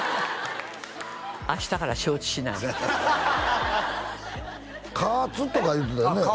明日から承知しない加圧とか言ってたよね